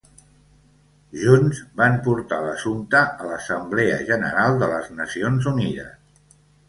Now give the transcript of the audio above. Junts van portar l'assumpte a l'Assemblea General de les Nacions Unides.